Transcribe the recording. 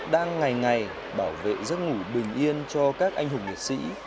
đang ngày ngày bảo vệ giấc ngủ bình yên cho các anh hùng liệt sĩ